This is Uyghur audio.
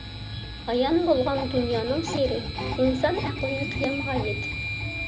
ئايان بولغان دۇنيانىڭ سېرى، ئىنسان ئەقلى قىيامغا يېتىپ.